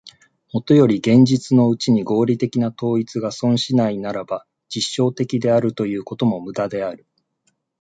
もとより現実のうちに合理的な統一が存しないならば、実証的であるということも無駄である。